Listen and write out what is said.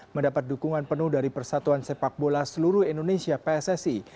mendapat dukungan penuh dari persatuan sepak bola seluruh indonesia pssi